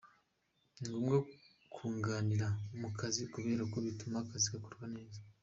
Ni ngombwa kunganirana mu kazi kubera ko bituma akazi gakorwa neza.